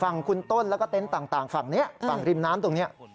ฝั่งคุณต้นแล้วก็เต็นต์ต่างฝั่งนี้ฝั่งริมน้ำตรงนี้